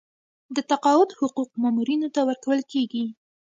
د تقاعد حقوق مامورینو ته ورکول کیږي